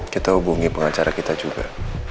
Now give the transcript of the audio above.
kita hubungi pengacara kita juga